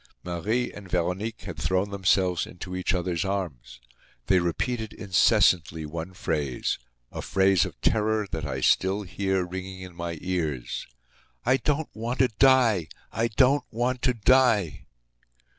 Marie and Veronique had thrown themselves into each other's arms. They repeated incessantly one phrase—a phrase of terror that I still hear ringing in my ears: "I don't want to die! I don't want to die!"